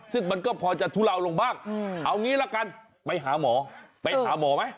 ซึ่งมันก็พอจะทุเลาลงบ้างเอางี้ละกันไปหาหมอไปหาหมอไหม